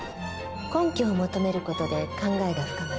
根拠を求める事で考えが深まる。